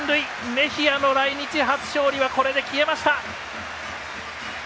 メヒアの来日初勝利はこれで消えました。